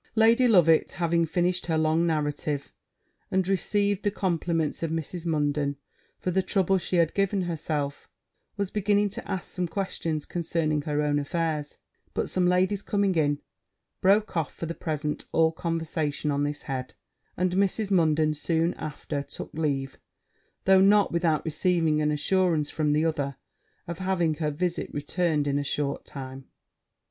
Lady Loveit having finished her long narrative, and received the compliments of Mrs. Munden for the trouble she had given her, was beginning to ask some questions concerning her own affairs; but some ladies coming in, broke off, for the present, all conversation on this head; and Mrs. Munden soon after took leave, though not without receiving an assurance from the other of having her visit returned in a short time.